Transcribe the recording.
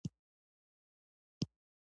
د دې سره به د پنډۍ مسلز زور اخلي